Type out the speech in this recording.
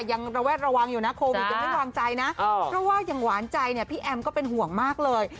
ระแวดระวังอยู่นะโควิดยังไม่วางใจนะเพราะว่าอย่างหวานใจเนี่ยพี่แอมก็เป็นห่วงมากเลย